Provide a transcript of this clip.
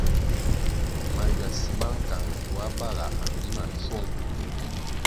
Maywasi ma nkang gioa baga a mbi ma nschuong.